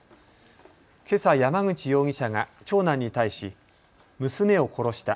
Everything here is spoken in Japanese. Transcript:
けさ山口容疑者が長男に対し娘を殺した。